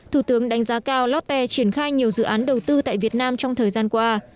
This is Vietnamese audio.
thủ tướng đánh giá cao lotte triển khai nhiều dự án đầu tư tại việt nam trong thời gian qua